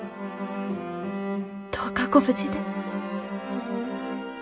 どうかご無事で。